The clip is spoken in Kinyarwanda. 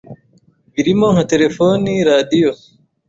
birimo nka Telefoni, Radio,